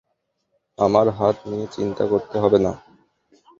আমার হাত নিয়ে চিন্তা করতে হবেনা।